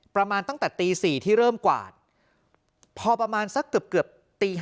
ประมาณตั้งแต่ตี๔ที่เริ่มกวาดพอประมาณสักเกือบตี๕